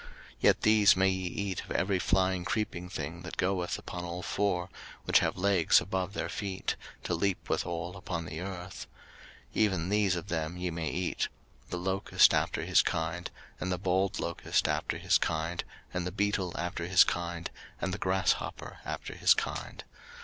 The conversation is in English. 03:011:021 Yet these may ye eat of every flying creeping thing that goeth upon all four, which have legs above their feet, to leap withal upon the earth; 03:011:022 Even these of them ye may eat; the locust after his kind, and the bald locust after his kind, and the beetle after his kind, and the grasshopper after his kind.